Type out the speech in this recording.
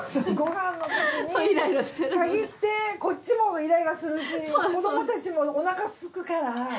ご飯のときにかぎってこっちもイライラするし子どもたちもおなかすくから。